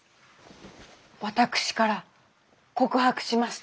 私から告白しました。